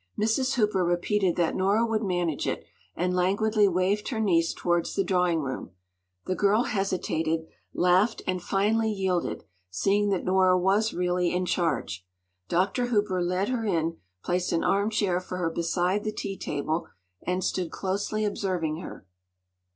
” Mrs. Hooper repeated that Nora would manage it, and languidly waved her niece towards the drawing room. The girl hesitated, laughed, and finally yielded, seeing that Nora was really in charge. Dr. Hooper led her in, placed an armchair for her beside the tea table, and stood closely observing her.